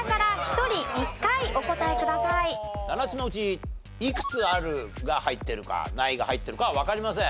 ７つのうちいくつ「ある」が入ってるか「ない」が入ってるかはわかりません。